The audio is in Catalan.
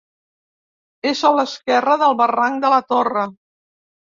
És a l'esquerra del barranc de la Torre.